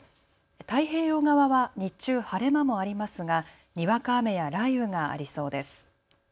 太平洋側は日中晴れ間もありますがにわか雨や雷雨がありそうです。